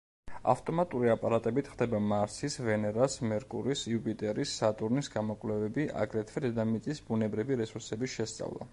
ავტომატური აპარატებით ხდება მარსის, ვენერას, მერკურის, იუპიტერის, სატურნის გამოკვლევები, აგრეთვე დედამიწის ბუნებრივი რესურსების შესწავლა.